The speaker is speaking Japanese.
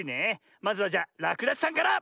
まずはじゃらくだしさんから！